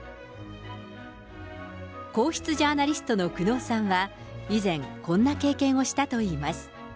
皇室ジャーナリストの久能さんは、以前、こんな経験をしたといいます。